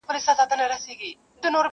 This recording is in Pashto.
سل ځله په دار سمه، سل ځله سنګسار سمه -